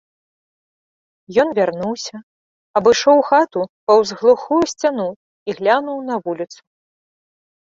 Ён вярнуўся, абышоў хату паўз глухую сцяну і глянуў на вуліцу.